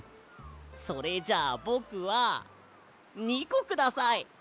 それじゃあぼくは２こください。